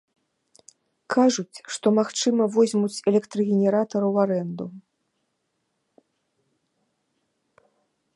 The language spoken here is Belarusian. Кажуць, што, магчыма, возьмуць электрагенератар ў арэнду.